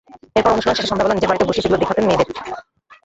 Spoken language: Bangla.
এরপর অনুশীলন শেষে সন্ধ্যা বেলা নিজের বাড়িতে বসিয়ে সেগুলো দেখাতেন মেয়েদের।